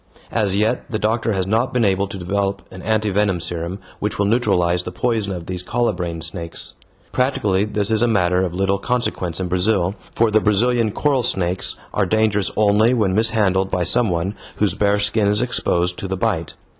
As yet the doctor has not been able to develop an anti venom serum which will neutralize the poison of these colubrine snakes. Practically this is a matter of little consequence in Brazil, for the Brazilian coral snakes are dangerous only when mishandled by some one whose bare skin is exposed to the bite.